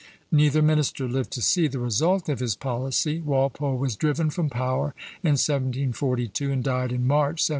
Neither minister lived to see the result of his policy. Walpole was driven from power in 1742, and died in March, 1745.